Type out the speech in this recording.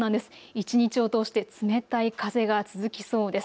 一日を通して冷たい風が続きそうです。